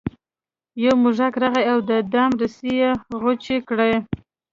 یو موږک راغی او د دام رسۍ یې غوڅې کړې.